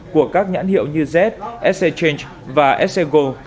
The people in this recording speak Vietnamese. của các nhãn hiệu như z s change và s go